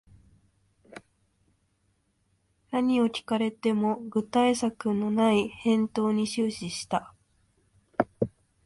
何を聞かれても具体策のない返答に終始した